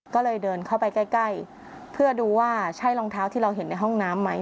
ก็เลยเดินเข้าไปใกล้เพื่อดูว่าใช่รองเท้าที่เราเห็นในห้องน้ำไหม